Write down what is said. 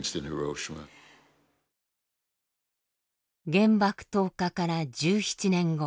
原爆投下から１７年後。